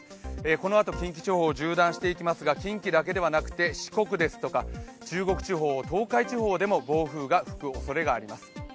このあと近畿地方を縦断していきますが近畿だけではなくて、四国ですとか中国地方、東海地方でも暴風が吹くおそれがあります。